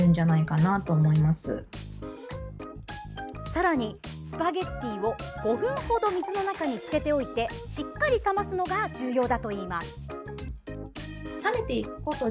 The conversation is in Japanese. さらに、スパゲッティを５分程水の中につけておいてしっかり冷ますのが重要だといいます。